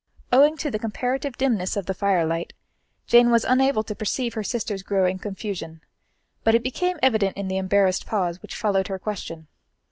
Owing to the comparative dimness of the firelight, Jane was unable to perceive her sister's growing confusion; but it became evident in the embarrassed pause which followed her question.